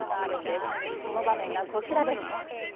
その場面がこちらです。